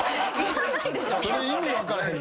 それ意味分からへん。